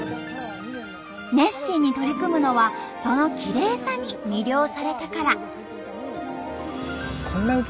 熱心に取り組むのはそのきれいさに魅了されたから。